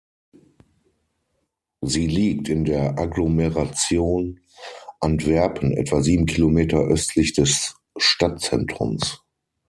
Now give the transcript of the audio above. Sie liegt in der Agglomeration Antwerpen etwa sieben Kilometer östlich des Stadtzentrums.